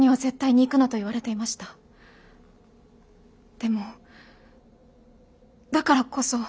でもだからこそ。